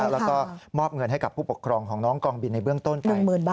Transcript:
แล้วก็มอบเงินให้กับผู้ปกครองของน้องกองบินในเบื้องต้นไป